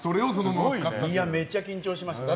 めっちゃ緊張しました。